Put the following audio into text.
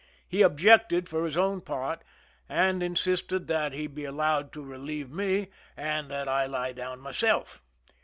He objected for his own part, and insisted that he be allowed to relieve me, and that I lie down myself.